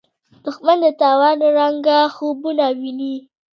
دښمن د تاوان رنګه خوبونه ویني